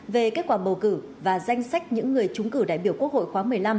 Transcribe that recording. về kết quả bầu cử và danh sách những người trúng cử đại biểu quốc hội khóa một mươi năm